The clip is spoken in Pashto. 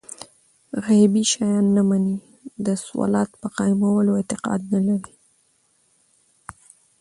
غيبي شيان نه مني، د صلوة په قائمولو اعتقاد نه لري